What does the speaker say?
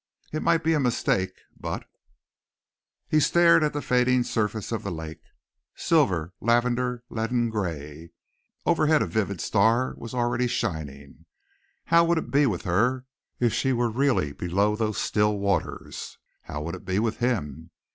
It might be a mistake but He stared at the fading surface of the lake, silver, lavender, leaden gray. Overhead a vivid star was already shining. How would it be with her if she were really below those still waters? How would it be with him?